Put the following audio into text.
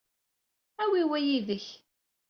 Awi wa yid-k.